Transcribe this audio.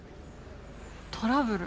トラブル？